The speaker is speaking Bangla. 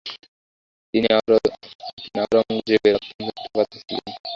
তিনি আওরঙ্গজেবের অত্যন্ত প্রিয় পাত্রী ছিলেন।